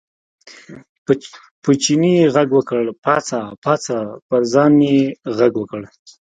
په چیني یې غږ وکړ، پاڅه پاڅه، پر ځان یې غږ وکړ.